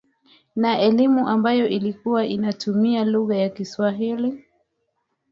na elimu ambayo ilikuwa inatumia lugha ya Kiswahili